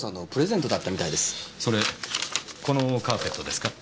それこのカーペットですか？